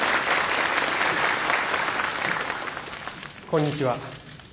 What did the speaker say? こんにちは。